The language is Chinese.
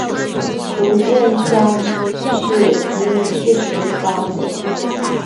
福建乡试第四十八名。